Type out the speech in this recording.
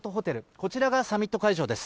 こちらがサミット会場です。